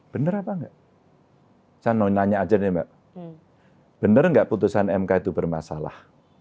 benar apa enggak saya mau nanya aja nih mbak benar nggak putusan mk itu bermasalah